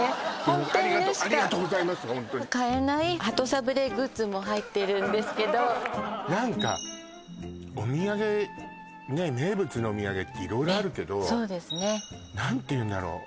ホントにも入ってるんですけど何かお土産名物のお土産って色々あるけどそうですね何ていうんだろう